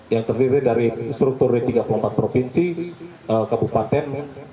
yang terdiri dari strukturi tiga puluh empat provinsi kebupaten